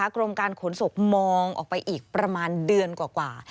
กรมการขนส่งมองออกไปอีกประมาณเดือนกว่า